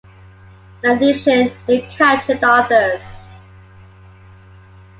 In addition, it captured others.